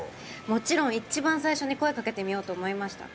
もちろん一番最初に声かけてみようと思いました